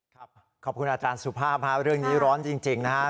ขอบคุณอาจารย์สุภาพฮะเรื่องนี้ร้อนจริงนะฮะ